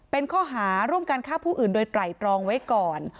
เป็นข้อหาร่วมการฆ่าผู้อื่นโดยไตรตรองไว้ก่อน